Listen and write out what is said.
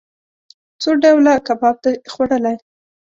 څو ډوله کباب د خوړلئ؟